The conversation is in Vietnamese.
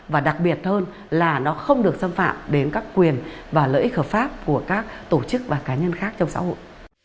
và đặc biệt hơn là nó không được xâm phạm đến các quyền và lợi ích hợp pháp của các tổ chức và cá nhân khác trong xã hội